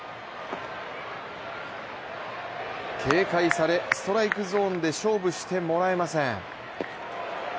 警戒され、ストライクゾーンで勝負してもらえません。